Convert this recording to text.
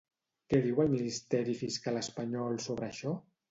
Què diu el ministeri fiscal espanyol sobre això?